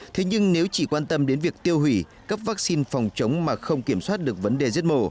thế nhưng nếu chỉ quan tâm đến việc tiêu hủy cấp vaccine phòng chống mà không kiểm soát được vấn đề giết mổ